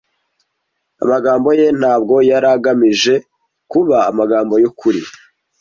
Amagambo ye ntabwo yari agamije kuba amagambo yukuri.